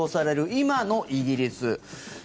今のイギリス。